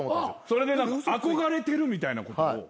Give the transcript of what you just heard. それで憧れてるみたいなことを。